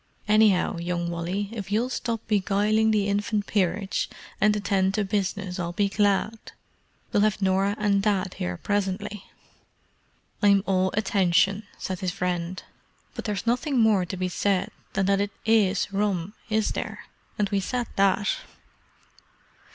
"Anyhow, young Wally, if you'll stop beguiling the infant peerage, and attend to business, I'll be glad. We'll have Norah and Dad here presently." "I'm all attention," said his friend. "But there's nothing more to be said than that it is rum, is there? And we said that."